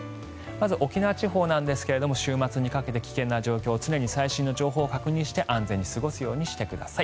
沖縄地方ですが週末にかけて危険な状況常に最新の情報を確認して安全に過ごすようにしてください。